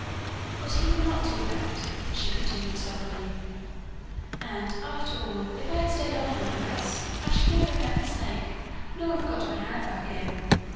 'But he would not do that,' she continued softly, 'and after all, if I had stayed on in your house, I should never have met the snake, nor have got my hand back again.